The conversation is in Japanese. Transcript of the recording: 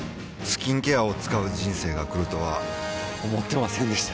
スキンケアを使う人生が来るとは思ってませんでした